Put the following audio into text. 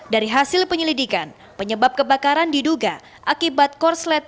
dari hasil penyelidikan penyebab kebakaran diduga akibat korsleting listrik